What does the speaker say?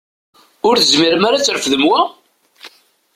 Ur tezmirem ara ad trefdem wa?